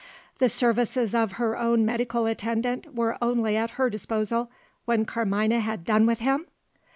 The services of her own medical attendant were only at her disposal, when Carmina had done with him!